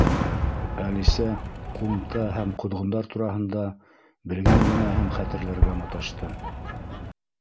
Әлисә ҡумта һәм ҡоҙғондар тураһында белгән генәһен хәтерләргә маташты.